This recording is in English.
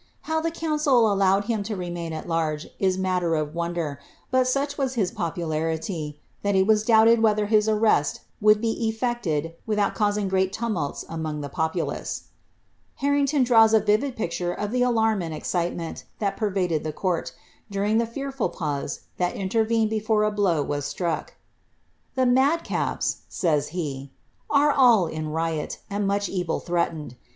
How the council allowed him to remain at large is matter of wonder* bnl, snch was his popularity, that it was doubted whether his arrest Would be eflected without causing great tumults among the populace. >Cunden. ^WxA J7^ BLIZABETH. Haninpon draws a Tivid picture of ilie alarm anil e pervaded ihe court, during ihe feaiful pause thai intervened I blow was itnickr — "The mado^JB," sayi he, "are all Ln riol,M eril threatened.